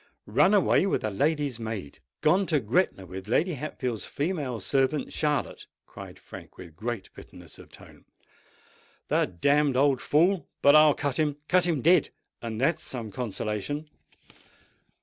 "Run away with a lady's maid—gone to Gretna with Lady Hatfield's female servant Charlotte!" cried Frank, with great bitterness of tone. "The damned old fool!—but I'll cut him—cut him dead—and that's some consolation."